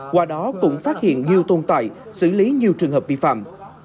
qua đó cũng phát hiện nhiều tôn tài xử lý nhiều trường hợp vi phạm